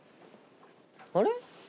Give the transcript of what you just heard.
あれ？